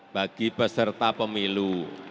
bagi peserta pemilu